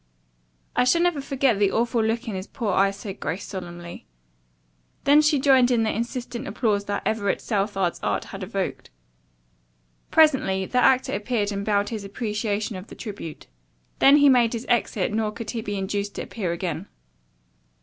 "I shall never forget the awful look in his poor eyes," said Grace solemnly. Then she joined in the insistent applause that Everett Southard's art had evoked. Presently the actor appeared and bowed his appreciation of the tribute. Then he made his exit nor could he be induced to appear again.